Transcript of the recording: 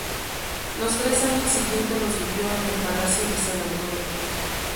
Los tres años siguientes los vivió en el palacio de San Antonio.